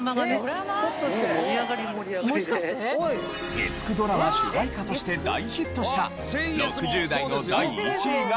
月９ドラマ主題歌として大ヒットした６０代の第１位がこちら。